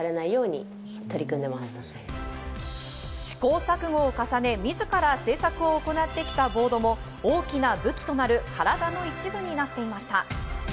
試行錯誤を重ね、自ら製作を行ってきたボードも大きな武器となる体の一部になっていました。